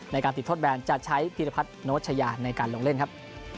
ในการติดโทษแบนจะใช้พีรพัฒน์โนชยาในการลงเล่นครับ